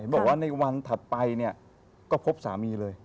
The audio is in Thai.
บอกว่าในวันถัดไปเนี่ยก็พบสามีเลย